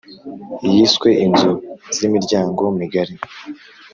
yiswe inzu zimiryango migari